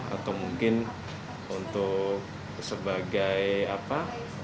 atau mungkin untuk sebagai apa